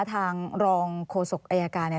ทางรองโฆษกอายการเนี่ย